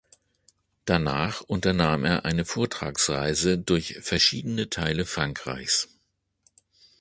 Danach unternahm er eine Vortragsreise durch verschiedene Teile Frankreichs.